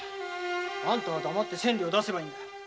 あんたは黙って千両出せばいいんだ。